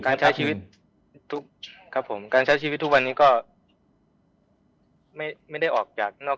การใช้ชีวิตทุกครับผมการใช้ชีวิตทุกวันนี้ก็ไม่ได้ออกจากนอก